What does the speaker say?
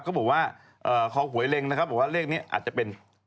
เขาบอกว่าคอหวยเล็งนะครับบอกว่าเลขนี้อาจจะเป็น